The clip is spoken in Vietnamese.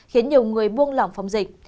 khiến nhiều người buông lỏng phòng dịch